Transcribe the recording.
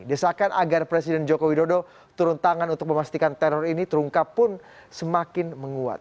desakan agar presiden joko widodo turun tangan untuk memastikan teror ini terungkap pun semakin menguat